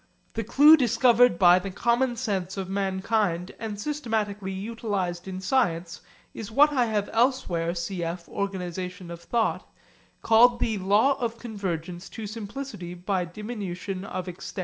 The clue discovered by the common sense of mankind and systematically utilised in science is what I have elsewhere called the law of convergence to simplicity by diminution of extent.